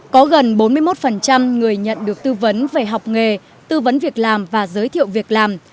có gần bốn mươi một người nhận được tư vấn về học nghề tư vấn việc làm và giới thiệu việc làm